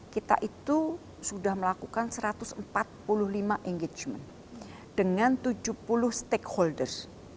kita itu sudah melakukan satu ratus empat puluh lima engagement dengan tujuh puluh stakeholders